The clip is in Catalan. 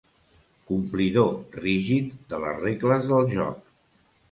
Complidor rígid de les regles del joc.